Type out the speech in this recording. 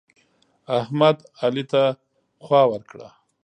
احمد؛ علي ته خوا ورکړه.